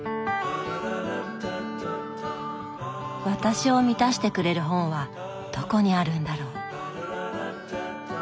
私を満たしてくれる本はどこにあるんだろう。